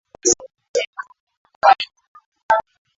Apige kila hali, wasiguse tuwainge,